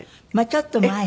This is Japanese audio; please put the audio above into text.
ちょっと前？